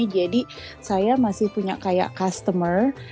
jadi saya masih punya kayak customer